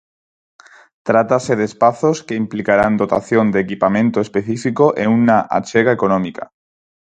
Trátase de espazos que implicarán dotación de equipamento específico e unha achega económica.